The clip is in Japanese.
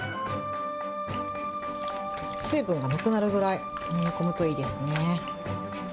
水分がなくなるぐらいもみ込むといいですね。